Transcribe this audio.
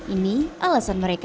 ini alasan mereka